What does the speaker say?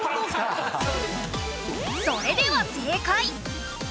それでは正解。